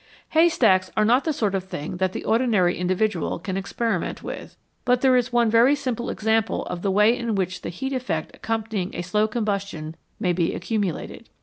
Haystacks are not the sort of thing that the ordinary individual can experiment with, but there is one very simple example of the way in which the heat effect accompanying a slow combustion may be accumulated.